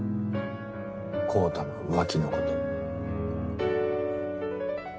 昂太の浮気のこと。